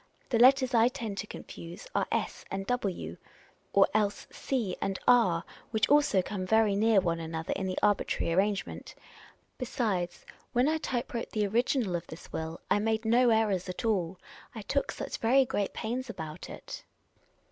The letters I tend to confuse are .y and re, or else e and r, which also come very near one another in the arbitrary arrangement. Besides, when I type wrote the original of this will, I made no errors at all ; I took such very great pains about it."